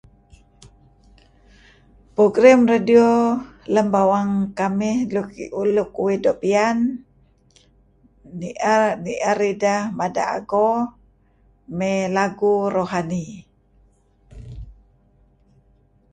Program radio lem bawang kamih luk uih doo' piyan ni'er ideh mada' ago mey lagu rohani.